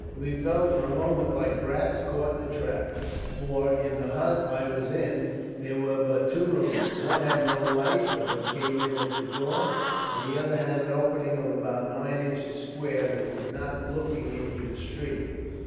We felt for a moment like rats caught in a trap, for, in the hut I was in, there were but two rooms. One had no light but what came in at the door; the other had an opening of about nine inches square, and that not looking into the street.